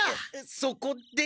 そこで？